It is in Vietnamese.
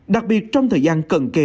đặc biệt trong thời gian cận kề